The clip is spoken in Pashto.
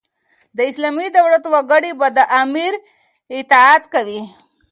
د اسلامي دولت وګړي به د امیر اطاعت کوي.